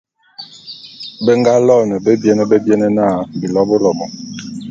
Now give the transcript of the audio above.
Be nga loene bebiene bebiene na, Bilobôlobô.